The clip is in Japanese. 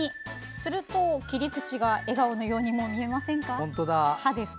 すると、切り口が笑顔のように見えませんか？